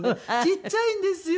ちっちゃいんですよ